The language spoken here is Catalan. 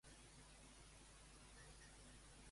En què van convertir-se Gwydion i Gilfaethwy?